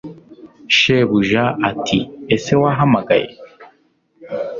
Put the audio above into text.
Shebuja ati ese wahamagaye